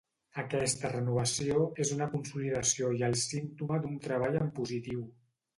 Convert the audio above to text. Aquesta renovació és una consolidació i el símptoma d’un treball en positiu.